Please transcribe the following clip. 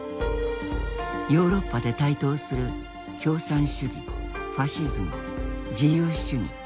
ヨーロッパで台頭する共産主義ファシズム自由主義。